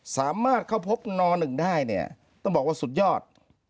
สามารถเข้าพบน๑ได้เนี่ยต้องบอกว่าสุดยอด